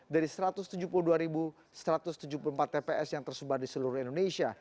dari satu ratus tujuh puluh dua satu ratus tujuh puluh empat tps yang tersebar di seluruh indonesia